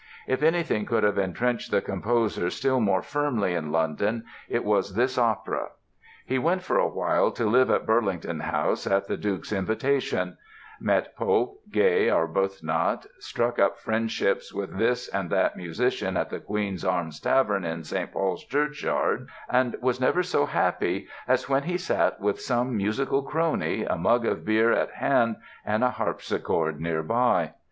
If anything could have intrenched the composer still more firmly in London it was this opera. He went for a while to live at Burlington House at the Duke's invitation; met Pope, Gay, Arbuthnot, struck up friendships with this and that musician at the Queen's Arms Tavern in St. Paul's Churchyard and was never so happy as when he sat with some musical crony, a mug of beer at hand and a harpsichord nearby.